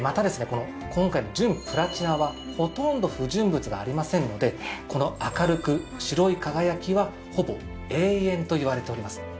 この今回の純プラチナはほとんど不純物がありませんのでこの明るく白い輝きはほぼ永遠といわれております。